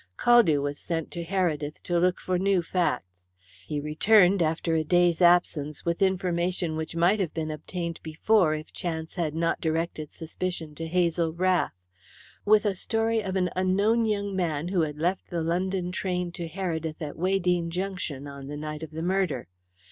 Caldew was sent to Heredith to look for new facts. He returned after a day's absence with information which might have been obtained before if chance had not directed suspicion to Hazel Rath: with a story of an unknown young man who had left the London train to Heredith at Weydene Junction on the night of the murder.